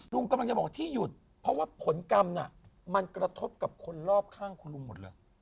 ลุงกำลังจะบอกที่หยุดเพราะว่าผลกรรมน่ะมันกระทบกับคนรอบข้างคุณลุงหมดเลย